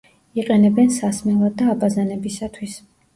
იყენებენ სასმელად და აბაზანებისათვის.